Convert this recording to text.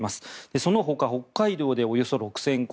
そのほか北海道でおよそ６０００戸